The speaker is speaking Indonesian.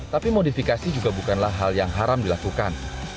tapi modifikasi juga bukanlah hal yang haram dilakukan